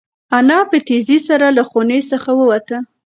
انا په تېزۍ سره له خونې څخه ووته.